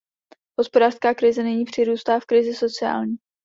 Hospodářská krize nyní přerůstá v krizi sociální.